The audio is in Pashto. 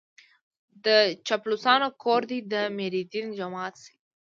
د چاپلوسانو کور دې د ميردين جومات شي.